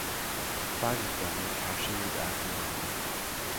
Five of them were cashiered out of the army.